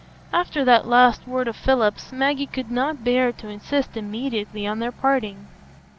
After that last word of Philip's, Maggie could not bear to insist immediately on their parting.